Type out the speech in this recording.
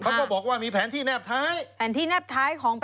เขาก็บอกว่ามีแผนที่แนบท้าย